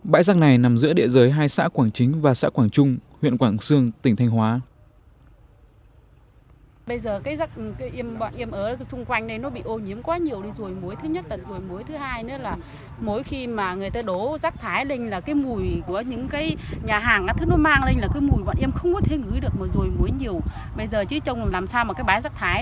bãi giác này nằm giữa địa giới hai xã quảng chính và xã quảng trung